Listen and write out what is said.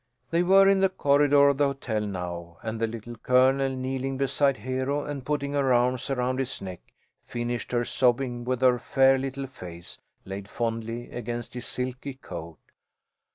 They were in the corridor of the hotel now, and the Little Colonel, kneeling beside Hero and putting her arms around his neck, finished her sobbing with her fair little face laid fondly against his silky coat.